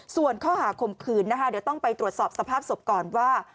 ส่วนข้อหาข่มขืนนะคะเดี๋ยวต้องไปตรวจสอบสภาพศพก่อนว่า